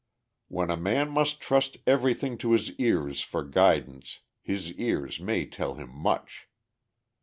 When a man must trust everything to his ears for guidance his ears may tell him much.